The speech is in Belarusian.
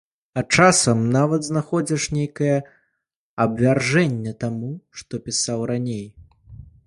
А часам нават знаходзіш нейкае абвяржэнне таму, што пісаў раней.